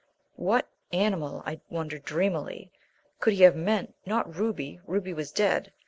What animal, I wondered dreamily, could he have meant? Not Ruby! Ruby was dead.